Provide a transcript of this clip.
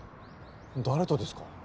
誰とですか？